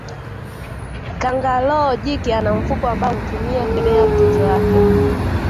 Kangaroo jike ana mfuko ambao hutumia kubebea mtoto wake